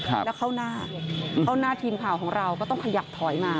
แล้วเข้าหน้าเข้าหน้าทีมข่าวของเราก็ต้องขยับถอยมา